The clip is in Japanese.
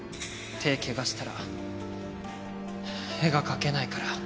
手怪我したら絵が描けないから。